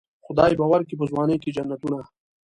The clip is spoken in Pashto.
خدای به ورکي په ځوانۍ کې جنتونه.